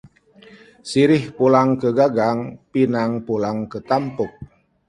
Sirih pulang ke gagang, pinang pulang ke tampuk